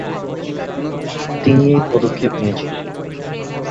তিনি এই পদক্ষেপ নিয়েছিলেন।